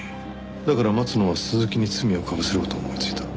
だから松野は鈴木に罪をかぶせる事を思いついた。